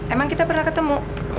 emang kita pernah ketemu